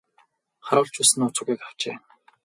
Харуул ч бас нууц үгийг авчээ.